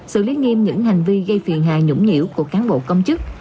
xử lý nghiêm những hành vi gây phiền hà nhũng nhiễu của cán bộ công chức